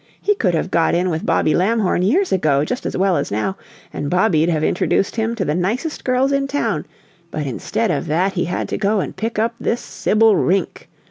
He could have got in with Bobby Lamhorn years ago just as well as now, and Bobby'd have introduced him to the nicest girls in town, but instead of that he had to go and pick up this Sibyl Rink!